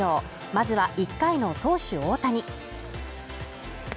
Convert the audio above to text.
まずは１回の投手・大谷